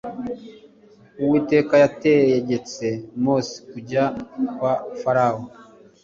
Uwiteka yategetse Mose kujya kwa Farawo,